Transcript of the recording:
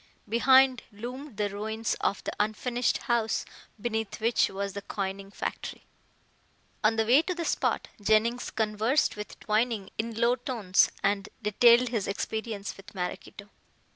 Behind loomed the ruins of the unfinished house beneath which was the coining factory. On the way to the spot Jennings conversed with Twining in low tones and detailed his experience with Maraquito.